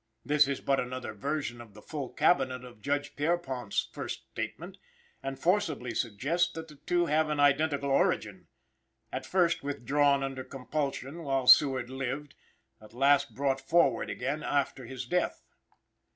This is but another version of the "full Cabinet" of Judge Pierrepont's first statement, and forcibly suggests that the two have an identical origin at first withdrawn under compulsion while Seward lived, at last brought forward again after his death.